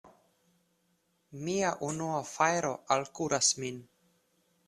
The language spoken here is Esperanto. Mia unua fajro alkuras min!